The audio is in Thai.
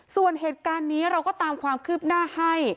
ส่วนเหตุการณ์นี้เราก็ตามความคืบหน้าให้